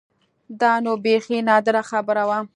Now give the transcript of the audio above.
دا نو بيخي نادره خبره وه.